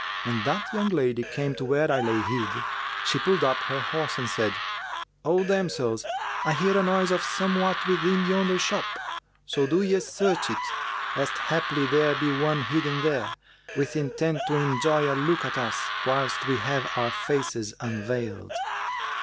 When that young lady came to where I lay hid, she pulled up her horse and said, 'O damsels, I hear a noise of somewhat within yonder shop: so do ye search it, lest haply there be one hidden there, with intent to enjoy a look at us, whilst we have our faces unveiled.'